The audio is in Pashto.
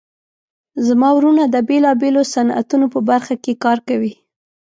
زما وروڼه د بیلابیلو صنعتونو په برخه کې کار کوي